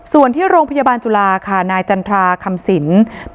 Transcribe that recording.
ส่วนที่โรงพยาบาลห์จุฬาค่ะนายจันทราตรคัมศิลป์